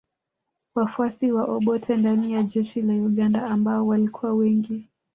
Wafuasi wa Obote ndani ya jeshi la Uganda ambao walikuwa wengi